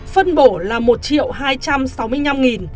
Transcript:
phân bổ là một hai trăm sáu mươi năm năm trăm linh bốn tỷ đồng